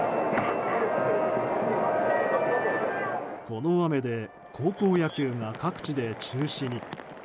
この雨で高校野球が各地で中止に。